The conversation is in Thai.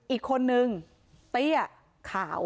อีกคนนึงเตี้ยขาว